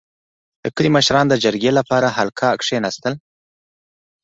• د کلي مشران د جرګې لپاره حلقه کښېناستل.